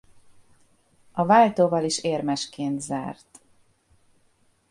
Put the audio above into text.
A váltóval is érmesként zárt.